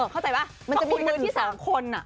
เข้าใจป่ะมันจะมีมือที่๓คน